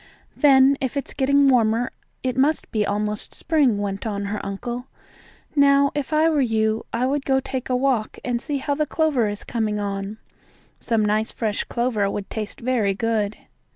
"Then if it's getting warmer it must be almost spring," went on her uncle. "Now, if I were you, I would go take a walk and see how the clover is coming on. Some nice, fresh clover would taste very good."